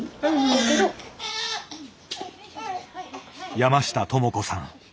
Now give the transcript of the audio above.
山下知子さん。